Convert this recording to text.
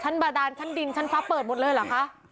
บาดานชั้นดินชั้นฟ้าเปิดหมดเลยเหรอคะ